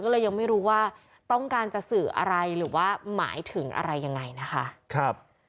ก็เลยยังไม่รู้ว่าต้องการจะสื่ออะไรหรือว่าหมายถึงอะไรยังไงนะคะ